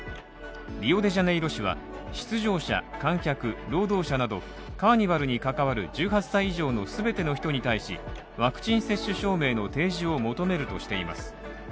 リオデジャネイロ市は出場者観客、労働者など、カーニバルに関わる１８歳以上の全ての人に対し、ワクチン接種証明の提示を求めるとしています。